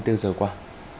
tết nguyên đán